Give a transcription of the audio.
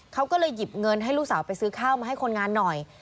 เขาก็เลยหยิบเงินให้ลูกสาวไปซื้อข้าวมาให้คนงานหน่อย